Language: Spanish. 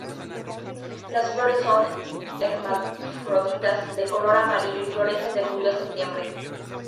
Las flores son hermafroditas de color amarillo y florecen de julio a septiembre.